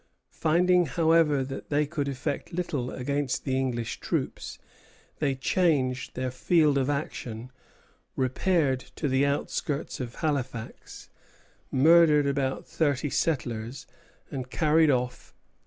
Finding, however, that they could effect little against the English troops, they changed their field of action, repaired to the outskirts of Halifax, murdered about thirty settlers, and carried off eight or ten prisoners.